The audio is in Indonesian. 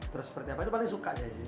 terus seperti apa itu paling suka aja